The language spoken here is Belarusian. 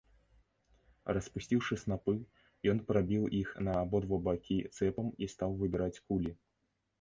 Распусціўшы снапы, ён прабіў іх на абодва бакі цэпам і стаў выбіраць кулі.